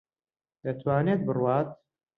دەتوانێت بڕوات.